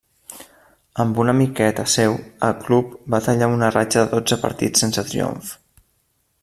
Amb una miqueta seu, el club va tallar una ratxa de dotze partits sense triomfs.